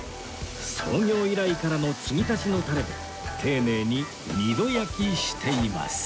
創業以来からの継ぎ足しのタレで丁寧に二度焼きしています